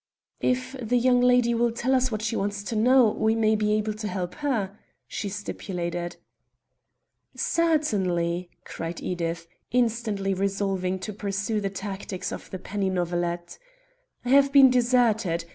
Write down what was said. "If the young lady will tell us why she wants to know, we may be able to help her?" she stipulated. "Certainly," cried Edith, instantly resolving to pursue the tactics of the penny novelette. "I have been deserted.